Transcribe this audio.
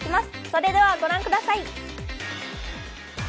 それではご覧ください。